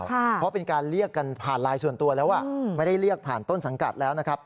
เพราะเป็นการเรียกกันผ่านไลน์ส่วนตัวแล้วไม่ได้เรียกผ่านต้นสังกัดแล้วนะครับ